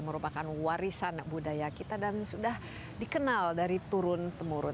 merupakan warisan budaya kita dan sudah dikenal dari turun temurun